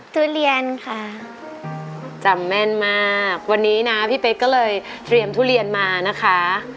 ทุเรียนค่ะจำแม่นมากวันนี้นะพี่เป๊กก็เลยเตรียมทุเรียนมานะคะ